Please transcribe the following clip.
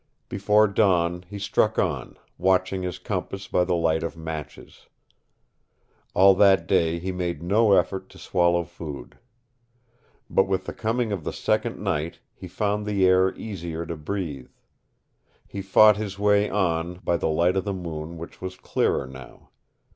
Before dawn he struck on, watching his compass by the light of matches. All that day he made no effort to swallow food. But with the coming of the second night he found the air easier to breathe. He fought his way on by the light of the moon which was clearer now.